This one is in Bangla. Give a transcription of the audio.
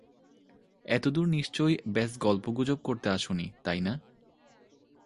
এতোদূর নিশ্চয়ই ব্যস গল্পগুজব করতে আসোনি, তাই না?